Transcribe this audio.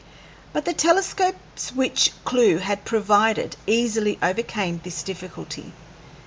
But the telescopes which Clewe had provided easily overcame this difficulty.